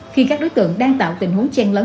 khi các đối tượng đang tạo tình huống chen lấn